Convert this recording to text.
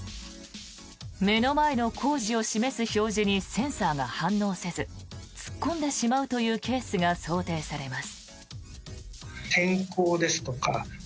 目の前の工事を示す表示にセンサーが反応せず突っ込んでしまうというケースが想定されます。